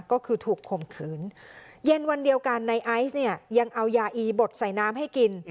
ก็คือถูกข่มขืนเย็นวันเดียวกันในไอซ์เนี่ยยังเอายาอีบดใส่น้ำให้กิน